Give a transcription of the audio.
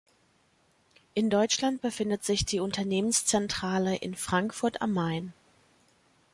In Deutschland befindet sich die Unternehmenszentrale in Frankfurt am Main.